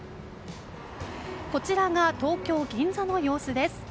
こちらが東京・銀座の様子です。